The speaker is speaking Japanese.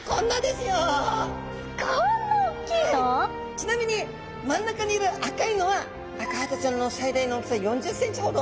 ちなみに真ん中にいる赤いのはアカハタちゃんの最大の大きさ４０ｃｍほど。